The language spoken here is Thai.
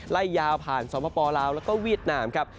ไล่ยาวผ่านสปลาวแล้วก็เวียดนามครับ